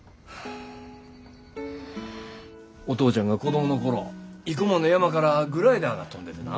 お父ちゃんが子供の頃生駒の山からグライダーが飛んでてな。